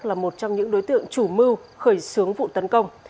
là một trong những đối tượng chủ mưu khởi xướng vụ tấn công